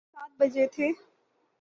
صبح کے سات بجتے تھے۔